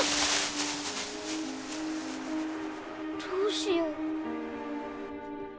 どうしよう。